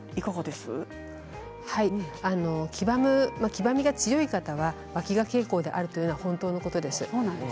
黄ばみが強い方はわきが傾向であるというのは本当のことです。